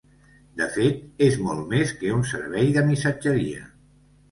De fet, és molt més que un servei de missatgeria.